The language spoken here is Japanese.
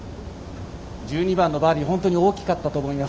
１２番のバーディーが本当に大きかったと思います。